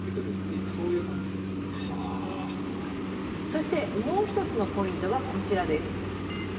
そしてもう一つのポイントがこちらです。